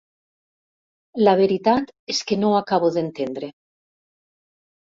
La veritat és que no ho acabo d'entendre.